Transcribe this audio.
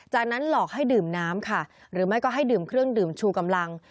จากนั้นหลอกให้ดื่มน้ำค่ะหรือไม่ก็ให้ดื่มเครื่องดื่มชูกำลัง